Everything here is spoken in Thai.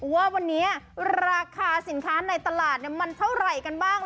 ว่าวันนี้ราคาสินค้าในตลาดมันเท่าไหร่กันบ้าง